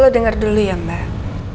lo denger dulu ya mbak